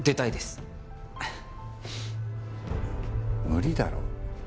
無理だろ。